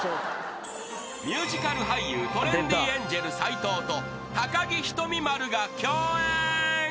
［ミュージカル俳優トレンディエンジェル斎藤と高木ひとみ〇が共演］